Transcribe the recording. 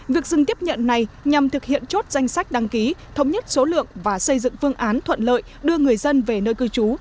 việc dừng tiếp nhận này nhằm thực hiện chốt danh sách đăng ký thống nhất số lượng và xây dựng phương án thuận lợi đưa người dân về nơi cư trú